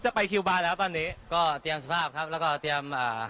ไปคิวบาร์แล้วตอนนี้ก็เตรียมสภาพครับแล้วก็เตรียมอ่า